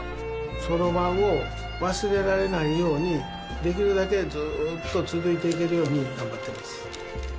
そろばんを忘れられないようにできるだけずっと続いていけるように頑張ってます